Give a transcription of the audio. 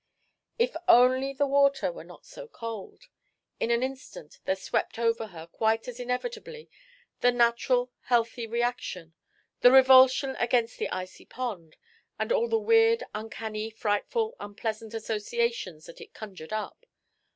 If only the water were not so cold! In an instant there swept over her, quite as inevitably, the natural, healthy reaction; the revulsion against the icy pond, and all the weird, uncanny, frightful, unpleasant associations that it conjured up.